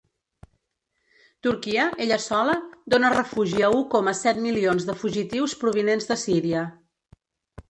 Turquia, ella sola, dóna refugi a u coma set milions de fugitius provinents de Síria.